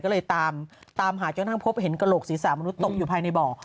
ก็เลยตามหาจนทั้งพบเห็นกระโหลกศีรษะมนุษย์ตกอยู่ภายในบ่อ